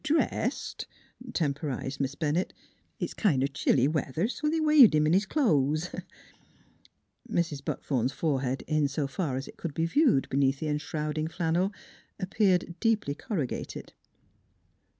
" Dressed," temporized Miss Bennett. " It's kind o' chilly weather, so they weighed him in his clo'es." Mrs. Buckthorn's forehead, in so far as it could be viewed beneath the enshrouding flannel, ap peared deeply corrugated.